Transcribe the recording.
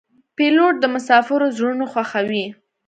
پیلوټ د مسافرو زړونه خوښوي.